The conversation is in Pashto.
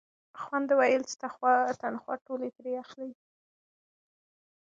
خویندو ویل چې تنخوا ټولې ترې اخلئ.